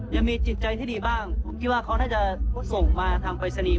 ยังมีจิตใจที่ดีบ้างผมคิดว่าเขาน่าจะส่งมาทางปริศนีย์